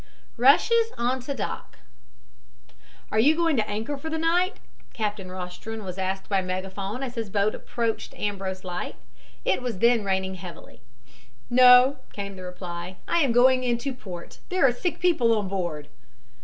RUSHES ON TO DOCK "Are you going to anchor for the night?" Captain Rostron was asked by megaphone as his boat approached Ambrose Light. It was then raining heavily. "No," came the reply. "I am going into port. There are sick people on board."